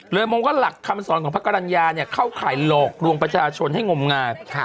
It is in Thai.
มองว่าหลักคำสอนของพระกรรณญาเนี่ยเข้าข่ายหลอกลวงประชาชนให้งมงาม